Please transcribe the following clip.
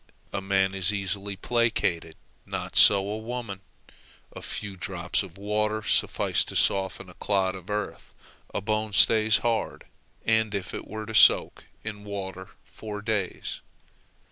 A man is easily placated, not so a woman; a few drops of water suffice to soften a clod of earth; a bone stays hard, and if it were to soak in water for days.